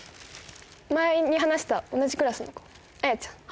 前に話した同じクラスの子彩ちゃん